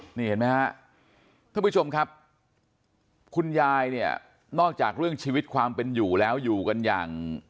นี่เห็นไหมฮะท่านผู้ชมครับคุณยายเนี่ยนอกจากเรื่องชีวิตความเป็นอยู่แล้วอยู่กันอย่าง